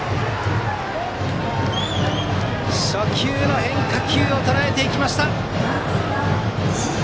初球の変化球をとらえていきました。